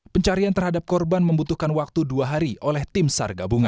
pencarian terhadap korban membutuhkan waktu dua hari oleh tim sar gabungan